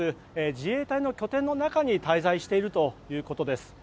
自衛隊の拠点の中に滞在しているということです。